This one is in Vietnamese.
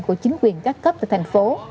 của chính quyền các cấp tại thành phố